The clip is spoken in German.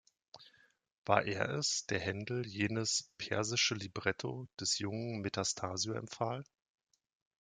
War er es, der Händel jenes „persische“ Libretto des jungen Metastasio empfahl?